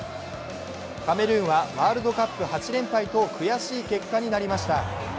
カメルーンはワールドカップ８連敗と悔しい結果となりました。